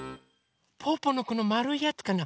ぽぅぽのこのまるいやつかな？